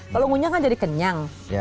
kalau ngunyah kan jadi kenyang